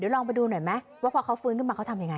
ลองไปดูหน่อยไหมว่าพอเขาฟื้นขึ้นมาเขาทำยังไง